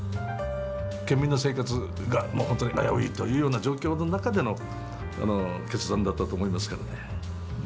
県民の生活がもう本当に危ういというような状況の中での決断だったと思いますからね。